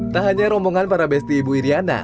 tak hanya rombongan para besti ibu iryana